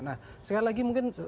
nah sekali lagi mungkin